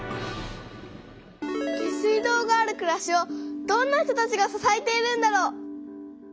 下水道があるくらしをどんな人たちが支えているんだろう？